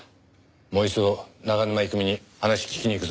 もう一度長沼郁美に話聞きに行くぞ。